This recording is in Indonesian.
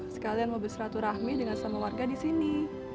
sekalian mau berseratu rahmi dengan semua warga di sini